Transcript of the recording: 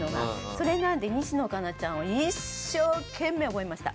それなので西野カナちゃんを一生懸命覚えました。